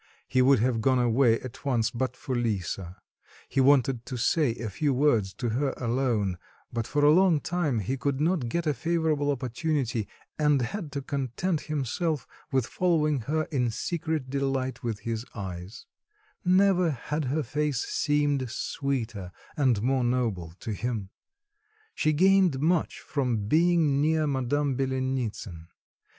He would have gone away at once but for Lisa; he wanted to say a few words to her alone, but for a long time he could not get a favourable opportunity, and had to content himself with following her in secret delight with his eyes; never had her face seemed sweeter and more noble to him. She gained much from being near Madame Byelenitsin.